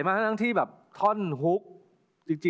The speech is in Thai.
โปรดติดตามต่อไป